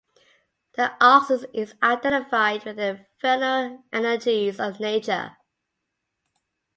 The ox is identified with the vernal energies of nature.